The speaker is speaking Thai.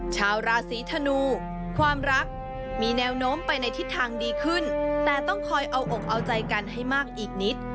ชาวราศีธนูความรักมีแนวโน้มไปในทิศทางดีขึ้นแต่ต้องคอยเอาอกเอาใจกันให้มากอีกนิด